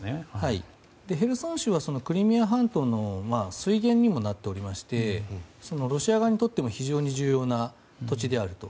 ヘルソン州はクリミア半島の水源にもなっていましてロシア側にとっても非常に重要な土地であると。